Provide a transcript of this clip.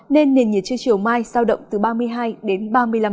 nên nền nhiệt chưa chiều mai sao động từ ba mươi hai đến ba mươi năm độ